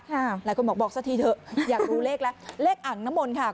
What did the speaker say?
หลายคนบอกบอกสักทีเถอะอยากรู้เลขแล้วเลขอ่างน้ำมนต์ค่ะ